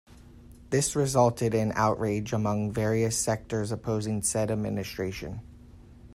This resulted in outrage among various sectors opposing said administration.